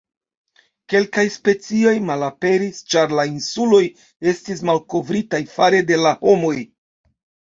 Kelkaj specioj malaperis ĉar la insuloj estis malkovritaj fare de la homoj.